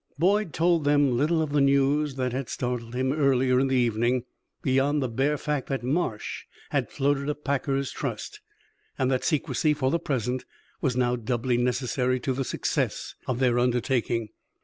Boyd told them little of the news that had startled him earlier in the evening, beyond the bare fact that Marsh had floated a packers' trust, and that secrecy, for the present, was now doubly necessary to the success of their undertaking.